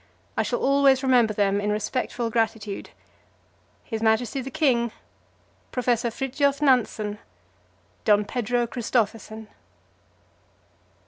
I shall always remember them in respectful gratitude H. M. The King, Professor Fridtjof Nansen, Don Pedro Christophersen.